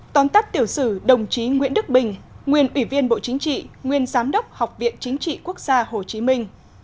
tón tắt tiểu sử đồng chí nguyễn đức bình nguyên ủy viên bộ chính trị nguyên giám đốc học viện chính trị quốc gia hồ chí minh